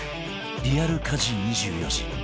リアル家事２４時